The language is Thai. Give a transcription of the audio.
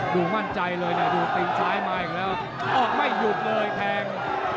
มั่นใจเลยนะดูตีนซ้ายมาอีกแล้วออกไม่หยุดเลยแทง